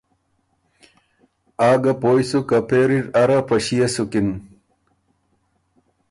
آ ګه پویٛ سُک که پېري ر اره په ݭيې سُکِن